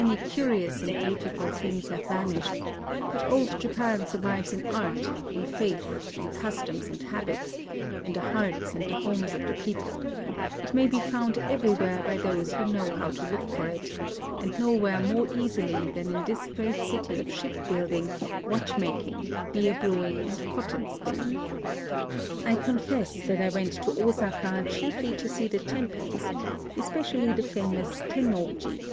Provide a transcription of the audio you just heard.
Many curious and beautiful things have vanished ; but Old Japan survives in art, in faith, in customs and habits, in the hearts and the homes of the people : it may be found everywhere by those who know how to look for it, — and nowhere more easily than in this great city of ship building, watch making, beer brewing, and cotton spinning. I confess that I went to Osaka chiefly to see the temples, especially the famous Tennoji.